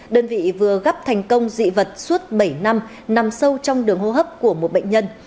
đơn vị vừa gắp thành công dị vật suốt bảy năm nằm sâu trong đường hô hấp của một bệnh nhân